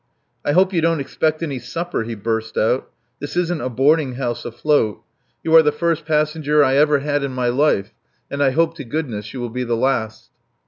"I hope you don't expect any supper," he burst out. "This isn't a boarding house afloat. You are the first passenger I ever had in my life and I hope to goodness you will be the last."